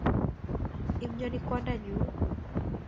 imnyoni kwondonyu